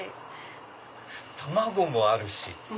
卵もあるし。